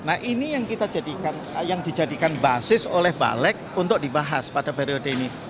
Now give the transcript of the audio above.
nah ini yang dijadikan basis oleh balik untuk dibahas pada periode ini